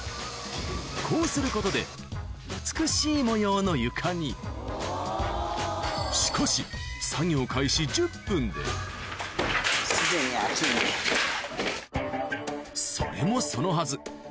こうすることで美しい模様の床にしかし作業それもそのはず